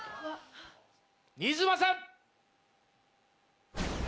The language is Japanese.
新妻さん。